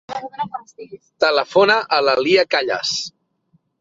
Telefona a la Lya Calles.